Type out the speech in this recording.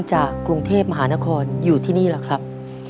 จากกรุงเทพมหานครอยู่ที่นี่ล่ะครับ